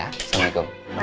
terima kasih pak rendy